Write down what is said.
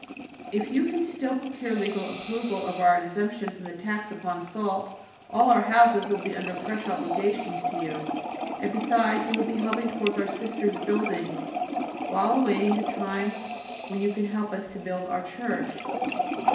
If you can still procure legal approval of our exemption from the tax upon salt all our houses will be under fresh obligations to you, and, besides, you will be helping towards our Sisters' buildings while awaiting the time when you can help us to build our church.